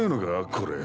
これ。